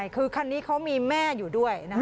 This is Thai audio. คือคันนี้เขามีแม่อยู่ด้วย